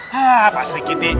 hah pak sri kitty